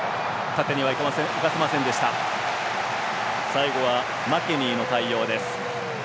最後は、マケニーの対応。